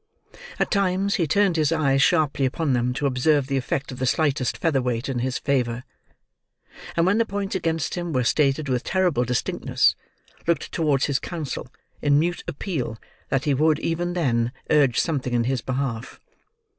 At times, he turned his eyes sharply upon them to observe the effect of the slightest featherweight in his favour; and when the points against him were stated with terrible distinctness, looked towards his counsel, in mute appeal that he would, even then, urge something in his behalf.